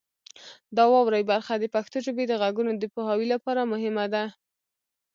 د واورئ برخه د پښتو ژبې د غږونو د پوهاوي لپاره مهمه ده.